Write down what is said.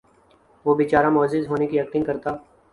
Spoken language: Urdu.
وہ بیچارہ معزز ہونے کی ایکٹنگ کرتا